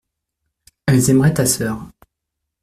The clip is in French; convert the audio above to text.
Elles aimeraient ta sœur.